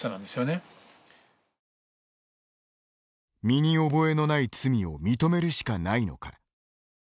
身に覚えのない罪を認めるしかないのか。